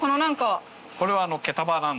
これは。